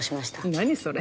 何それ。